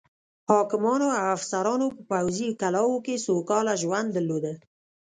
حاکمانو او افسرانو په پوځي کلاوو کې سوکاله ژوند درلوده.